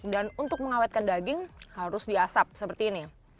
dan untuk mengawetkan daging harus diasap seperti ini